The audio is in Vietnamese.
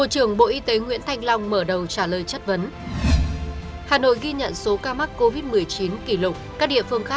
hãy đăng ký kênh để ủng hộ kênh của chúng mình nhé